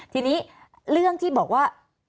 ทีนี้เรื่องที่บอกว่า